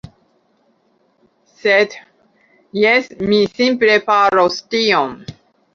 Sed... jes, mi simple faros tion.